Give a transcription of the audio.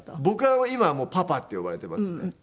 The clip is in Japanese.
僕は今「パパ」って呼ばれてますね。